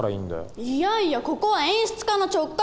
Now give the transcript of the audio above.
いやいやここは演出家の直感が大事でしょ。